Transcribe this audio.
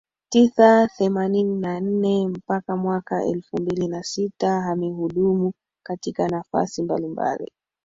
tisa themanini na nne mpaka mwaka elfu mbili na sita amehudumu katika nafasi mbalimbali